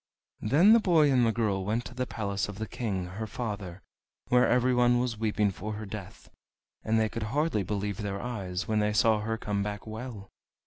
Then the boy and the girl went to the palace of the King, her father, where everyone was weeping for her death, and they could hardly believe their eyes when they saw her come back well.